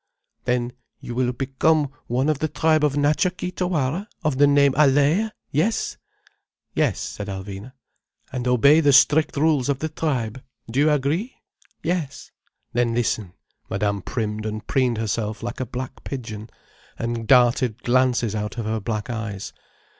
"Then you will become one of the tribe of Natcha Kee Tawara, of the name Allaye? Yes?" "Yes," said Alvina. "And obey the strict rules of the tribe. Do you agree?" "Yes." "Then listen." Madame primmed and preened herself like a black pigeon, and darted glances out of her black eyes.